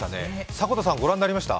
迫田さん、ご覧になりました？